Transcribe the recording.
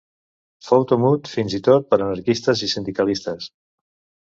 Fou temut fins i tot per anarquistes i sindicalistes.